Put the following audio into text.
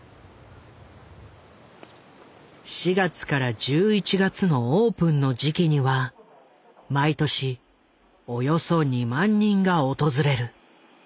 ４月から１１月のオープンの時期には毎年およそ２万人が訪れる。